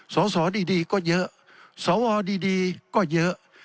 สสดีก็เยอะสวดีก็เยอะ